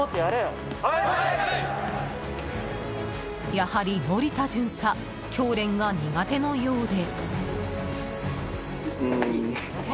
やはり森田巡査教練が苦手のようで。